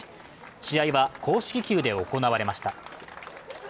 試合は公式球で行われました。